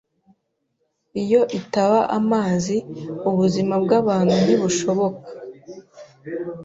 Iyo itaba amazi, ubuzima bwabantu ntibushoboka.